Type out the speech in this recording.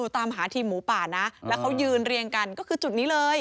ตามหาทีมหมูป่านะแล้วเขายืนเรียงกันก็คือจุดนี้เลย